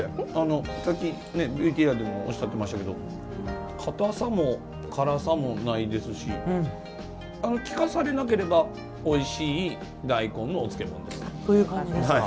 ＶＴＲでもおっしゃっていましたけど硬さも辛さもないですし聞かされなければおいしい大根のお漬物ですね。